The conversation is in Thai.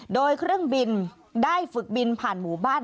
โดยเครื่องบินได้ฝึกบินผ่านหมู่บ้าน